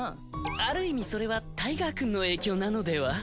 ある意味それはタイガーくんの影響なのでは？